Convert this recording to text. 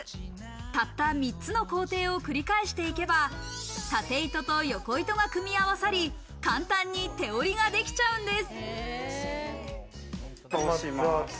たった３つの工程を繰り返していけば、縦糸と横糸が組み合わさり、簡単に手織りができちゃうんです。